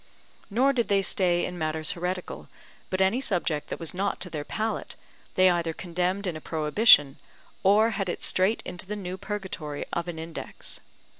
Nor did they stay in matters heretical, but any subject that was not to their palate, they either condemned in a Prohibition, or had it straight into the new purgatory of an index.